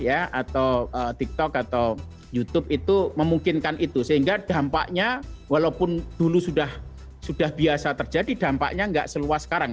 atau tiktok atau youtube itu memungkinkan itu sehingga dampaknya walaupun dulu sudah biasa terjadi dampaknya nggak seluas sekarang